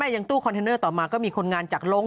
ยังตู้คอนเทนเนอร์ต่อมาก็มีคนงานจากลง